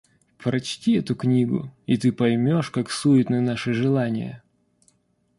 Прочти эту книгу, и ты поймешь, как суетны наши желания.